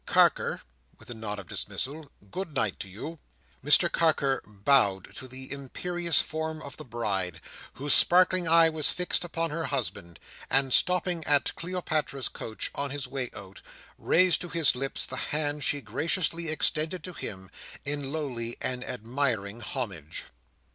Carker," with a nod of dismissal, "good night to you!" Mr Carker bowed to the imperious form of the Bride, whose sparkling eye was fixed upon her husband; and stopping at Cleopatra's couch on his way out, raised to his lips the hand she graciously extended to him, in lowly and admiring homage.